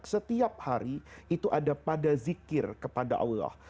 setiap hari itu ada pada zikir kepada allah